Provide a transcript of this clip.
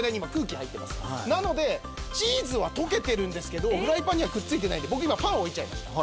なのでチーズは溶けてるんですけどフライパンにはくっついてないんで僕今パン置いちゃいました。